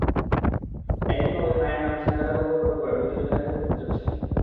একইভাবে মায়ের নাম ছাহেরা বেগম পরিবর্তন করে মৃত জোবেদা খাতুন করতে চাচ্ছেন।